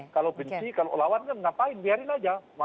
kalau benci kalau lawannya ngapain biarin aja